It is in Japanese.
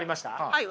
はい！